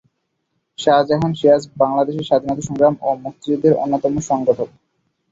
শাহজাহান সিরাজ বাংলাদেশের স্বাধীনতা সংগ্রাম ও মুক্তিযুদ্ধের অন্যতম সংগঠক।